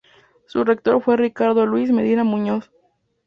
Su rector fue Ricardo Luis Medina Muñoz.